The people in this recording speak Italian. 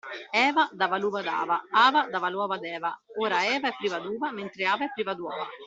Eva dava l'uva ad Ava, Ava dava l'uova ad Eva, ora Eva è priva d'uva, mentre Ava è priva d'uova.